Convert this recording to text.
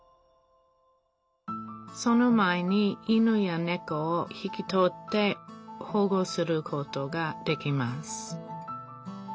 その前に犬やねこを引き取って保護することができます